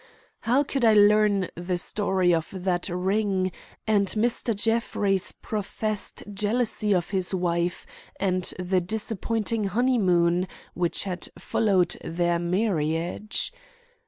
How could I learn the story of that ring and the possible connection between it and Mr. Jeffrey's professed jealousy of his wife and the disappointing honeymoon which had followed their marriage?